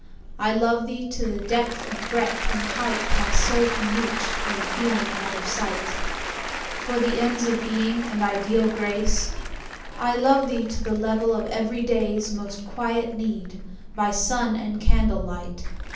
I love thee to the depth and breadth and height My soul can reach, when feeling out of sight For the ends of Being and ideal Grace. I love thee to the level of everyday's Most quiet need, by sun and candlelight.